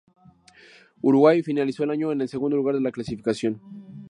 Uruguay finalizó el año en el segundo lugar de la clasificación.